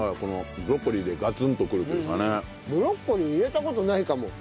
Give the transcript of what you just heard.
ブロッコリー入れた事ないかもチャーハンに。